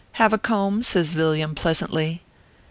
Have a comb ?" says Villiam, pleasantly.